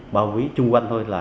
bao quý chung quanh thôi là